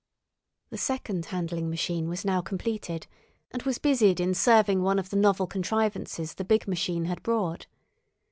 The second handling machine was now completed, and was busied in serving one of the novel contrivances the big machine had brought.